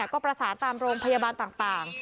ก็ประสานตามโรงพยาบาลต่าง